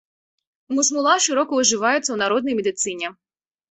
Мушмула шырока ўжываецца ў народнай медыцыне.